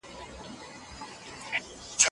انټرنیټ د انسانانو ترمنځ تعصب له منځه وړي.